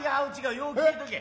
よう聞いとけ。